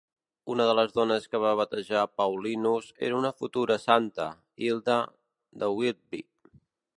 Una de les dones que va batejar Paulinus era una futura santa, Hilda de Whitby.